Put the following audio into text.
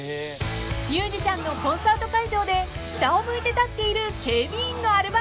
［ミュージシャンのコンサート会場で下を向いて立っている警備員のアルバイトをしてみたい］